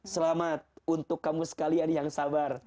selamat untuk kamu sekalian yang sabar